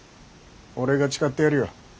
俺が誓ってやるよ。